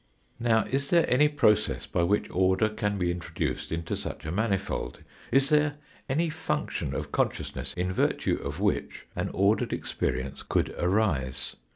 Now is there any process by which order can be intro duced into such a manifold is there any function of consciousness in virtue of which an ordered experience could arise